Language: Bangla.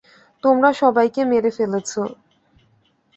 তোমরা সবাইকে মেরে ফেলেছো!